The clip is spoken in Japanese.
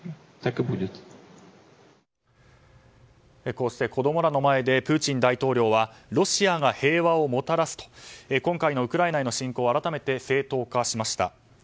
こうして子供らの前でプーチン大統領はロシアが平和をもたらすと今回のウクライナへの侵攻を改めて正当化しました。